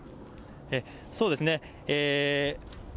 そうですね。